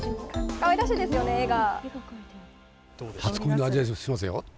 かわいらしいですよね、絵が。